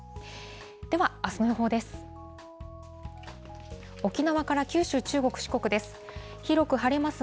では、あすの予報です。